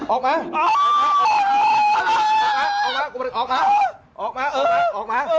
ออกมาออกมา